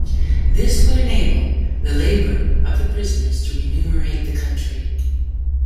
This would enable the labour of the prisoners to remunerate the country.